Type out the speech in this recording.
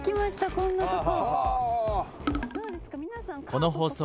こんなとこ。